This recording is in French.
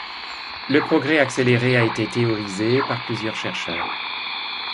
Le progrès accéléré a été théorisé par plusieurs chercheurs.